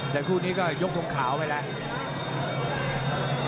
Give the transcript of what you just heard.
แต่คู่นี้ก็ยกทงขาวไปแล้ว